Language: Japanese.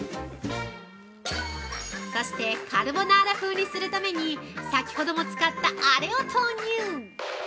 ◆そしてカルボナーラ風にするために、先ほども使ったアレを投入！